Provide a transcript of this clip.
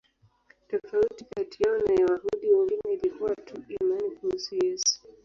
Tofauti kati yao na Wayahudi wengine ilikuwa tu imani kuhusu Yesu.